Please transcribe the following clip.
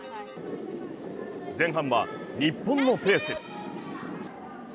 前半は日本のペース。